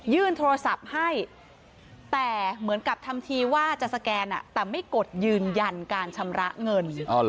โทรศัพท์ให้แต่เหมือนกับทำทีว่าจะสแกนแต่ไม่กดยืนยันการชำระเงิน